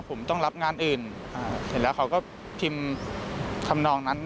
ผมต้องรับงานอื่นเห็นแล้วเขาก็พิมพ์ทำนองนั้น